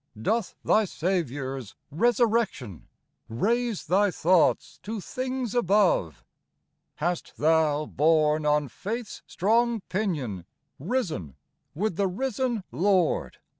Doth thy Saviour's resurrection Raise thy thoughts to things above ? Hast thou, borne on faith's strong pinion, Risen with the risen Lord